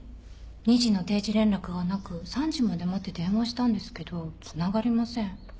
２時の定時連絡がなく３時まで待って電話したんですけどつながりません。